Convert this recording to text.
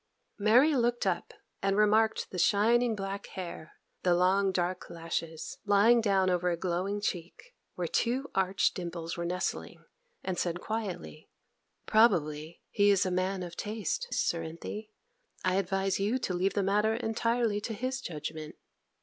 Mary looked up and remarked the shining black hair, the long dark lashes, lying down over the glowing cheek, where two arch dimples were nestling, and said quietly, 'Probably he is a man of taste, Cerinthy. I advise you to leave the matter entirely to his judgment.